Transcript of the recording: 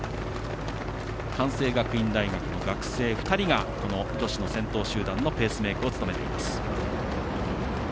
関西学院大学の学生２人がこの女子の先頭集団のペースメイクを務めています。